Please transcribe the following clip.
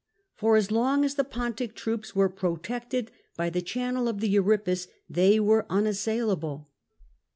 For as long as the Pontic troops were protected by the channel of the Euripus they were un assailable.